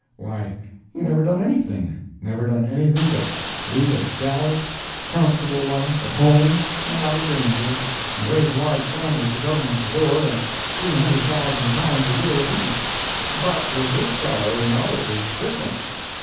Why, he never done anything—never done anything but lead a gallus, comfortable life, at home and out of danger, and raise a large family for Government to board at 300,000 pounds a year apiece. But with this fellow, you know, it was different.